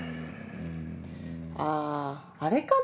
ああれかな？